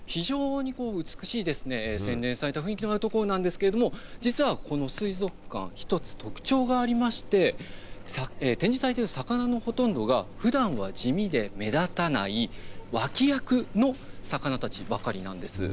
非常に美しい、洗練された雰囲気のところなんですが実はこの水族館１つ特徴がありまして展示されている魚のほとんどがふだんには地味で目立たない脇役の魚たちばかりなんです。